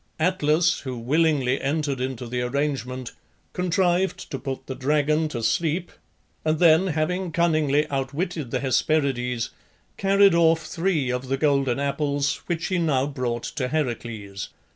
Atlas, who willingly entered into the arrangement, contrived to put the dragon to sleep, and then, having cunningly outwitted the Hesperides, carried off three of the golden apples, which he now brought to Heracles.